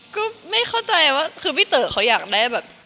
ก็ไม่เข้าใจว่า